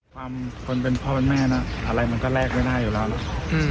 ความคนเป็นพ่อเป็นแม่นะอะไรมันก็แลกไม่ได้อยู่แล้วนะ